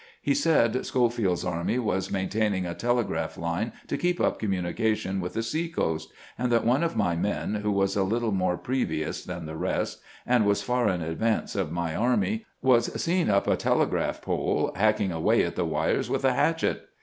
He said Schofield's army was maintaining a telegraph line to keep up communication with the sea coast, and that one of my men, who was a little more 'previous' than the rest, and was far in advance of my army, was seen up a telegraph pole hacking away at the wires with a hatchet.